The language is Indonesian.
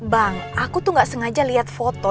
bang aku tuh gak sengaja lihat foto